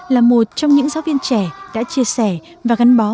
là một trong những giáo viên trẻ đã chia sẻ và gắn bó